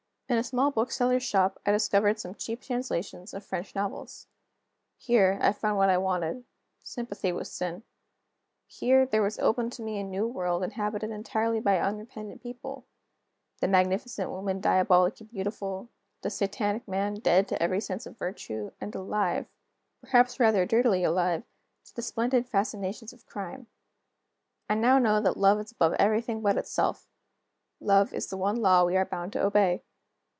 In a small bookseller's shop I discovered some cheap translations of French novels. Here, I found what I wanted sympathy with sin. Here, there was opened to me a new world inhabited entirely by unrepentant people; the magnificent women diabolically beautiful; the satanic men dead to every sense of virtue, and alive perhaps rather dirtily alive to the splendid fascinations of crime. I know now that Love is above everything but itself. Love is the one law that we are bound to obey.